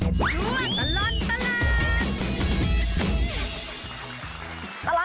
ช่วงตลอดตลาด